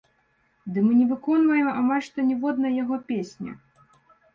Ды мы не выконваем амаль што ніводнай яго песні.